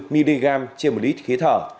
bốn trăm năm mươi bốn mg trên một lít khí thở